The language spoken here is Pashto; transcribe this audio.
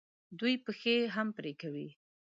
دوی پښې یې هم پرې کوي.